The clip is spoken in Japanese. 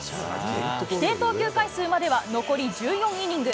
規定投球回数までは残り１４イニング。